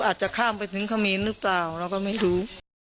อาจจะข้ามไปถึงเขมรหรือเปล่าเราก็ไม่รู้